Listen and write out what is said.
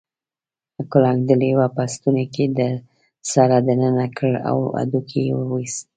کلنګ د لیوه په ستوني کې سر دننه کړ او هډوکی یې وویست.